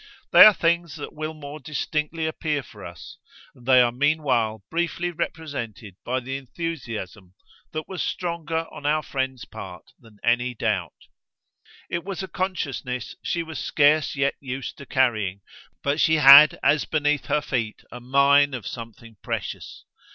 They are things that will more distinctly appear for us, and they are meanwhile briefly represented by the enthusiasm that was stronger on our friend's part than any doubt. It was a consciousness she was scarce yet used to carrying, but she had as beneath her feet a mine of something precious.